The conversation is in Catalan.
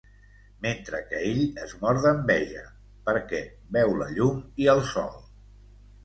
Mentre que ell es mor d'enveja, perquè veu la llum i el sol.